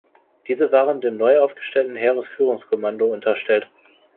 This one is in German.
Diese waren dem neu aufgestellten Heeresführungskommando unterstellt.